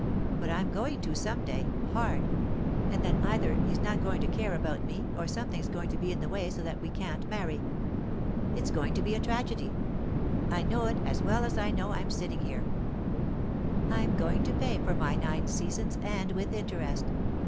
But I'm going to, some day—hard—and then either he's not going to care about me or something's going to be in the way so that we can't marry. It's going to be a tragedy. I know it as well as I know I'm sitting here. I'm going to pay for my nine seasons, and with interest.